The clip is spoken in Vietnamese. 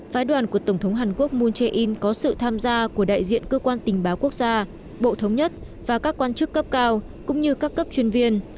phái đoàn của tổng thống hàn quốc moon jae in có sự tham gia của đại diện cơ quan tình báo quốc gia bộ thống nhất và các quan chức cấp cao cũng như các cấp chuyên viên